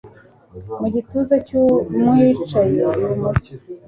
mu gituza cy'umwicaye ibumoso.